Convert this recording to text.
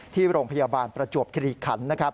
ที่โรงพยาบาลประจวบคลีกคัน